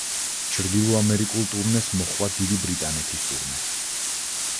ჩრდილო ამერიკულ ტურნეს მოჰყვა დიდი ბრიტანეთის ტურნე.